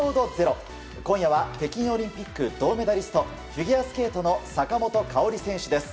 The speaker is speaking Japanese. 今夜は北京オリンピック銅メダリストフィギュアスケートの坂本花織選手です。